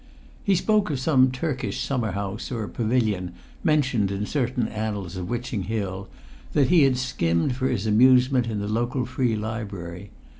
He spoke of some Turkish summer house, or pavilion, mentioned in certain annals of Witching Hill, that he had skimmed for his amusement in the local Free Library.